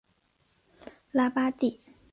拉巴蒂。